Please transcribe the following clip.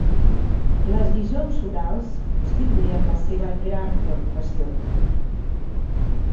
Les lliçons orals, constituïen la seva gran preocupació.